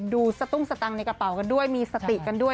สตุ้งสตังค์ในกระเป๋ากันด้วยมีสติกันด้วย